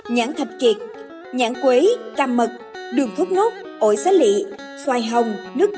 nhãn thạch kiệt nhãn quấy cam mật đường thốt ngốt ổi xá lị xoài hồng nước dừa dừa nước v v